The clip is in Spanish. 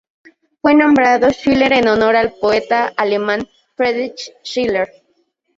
Fue nombrado Schiller en honor al poeta alemán Friedrich Schiller.